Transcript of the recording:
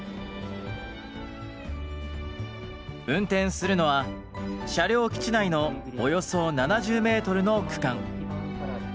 運転するのは車両基地内のおよそ７０メートルの区間。